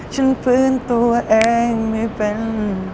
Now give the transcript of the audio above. ฟื้นตัวเองไม่เป็น